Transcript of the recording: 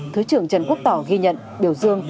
thứ trưởng trần quốc tỏ ghi nhận biểu dương